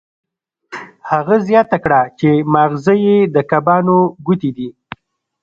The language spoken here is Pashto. هغه زیاته کړه چې ماغزه یې د کبانو ګوتې دي